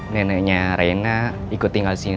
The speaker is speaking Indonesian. neneknya reina ikut tinggal di sini